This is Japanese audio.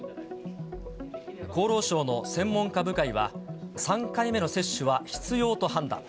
厚労省の専門家部会は、３回目の接種は必要と判断。